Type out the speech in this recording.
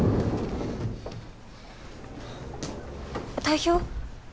代表！